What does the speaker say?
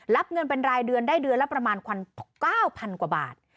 รับเงินเป็นรายเดือนได้เดือนละประมาณ๙๐๐กว่าบาท